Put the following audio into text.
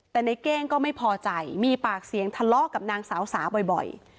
แต่ในเก้งก็ไม่พอใจมีปากเสียงทะเลาะกับนางสาวสาบ่อย